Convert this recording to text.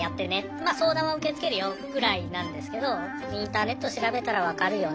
ま相談は受け付けるよぐらいなんですけどインターネット調べたら分かるよね